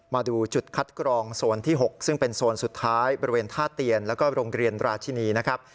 มาดูจุดคัดกรองโซนที่๖ซึ่งเป็นโซนสุดท้ายบริเวณท่าเตียนแล้วก็โรงเรียนราชินีนะครับ